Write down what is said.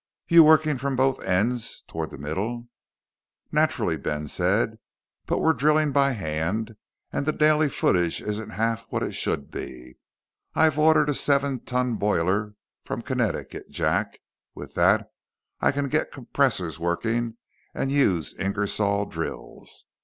"You working from both ends toward the middle?" "Naturally," Ben said. "But we're drilling by hand and the daily footage isn't half what it should be.... I've ordered a seven ton boiler from Connecticut, Jack. With that, I can get compressors working and use Ingersoll drills.